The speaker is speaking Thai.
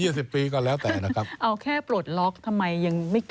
เอาแค่โปรดล็อกทำไมยังไม่กล้าเลย